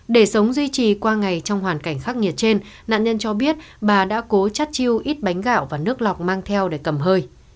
để sống duy trì qua ngày trong hoàn cảnh khắc nghiệt trên nạn nhân cho biết bà đã cố chắt chiêu ít bánh gạo và nước lọc mang theo để cầm hơi